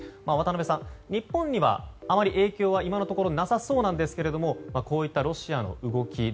渡辺さん、日本にはあまり影響は今のところなさそうなんですけれどもこういったロシアの動き